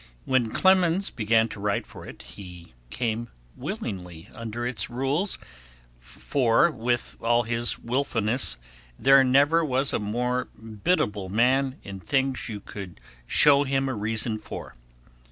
When Clemens began to write for it he came willingly under its rules, for with all his wilfulness there never was a more biddable man in things you could show him a reason for.